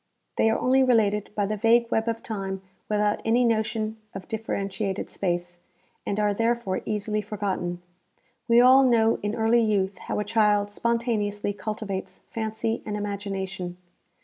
They are only related by the vague web of time without any notion of differentiated space, and are therefore easily forgotten, ^\^e all know in early youth how a child spontaneously cultivates fancy and imagination.